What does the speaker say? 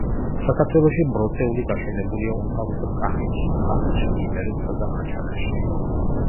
საქართველოში ბროწეული გაშენებულია უმთავრესად კახეთში, ქართლში, იმერეთსა და აჭარაში.